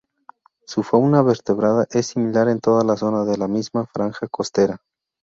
Su fauna vertebrada es similar en toda la zona de la misma franja costera.